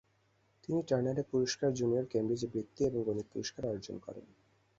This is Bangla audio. তিনি টার্নার পুরস্কার, জুনিয়র কেমব্রিজ বৃত্তি এবং গণিত পুরস্কার অর্জন করেন।